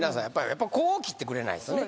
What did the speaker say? やっぱりこう切ってくれないとね